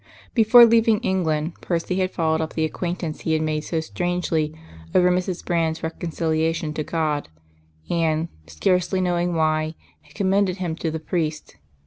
Before leaving England, Percy had followed up the acquaintance he had made so strangely over Mrs. Brand's reconciliation to God, and, scarcely knowing why, had commended him to the priest.